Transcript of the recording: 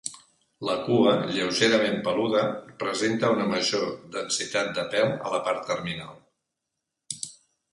La cua, lleugerament peluda, presenta una major densitat de pèl a la part terminal.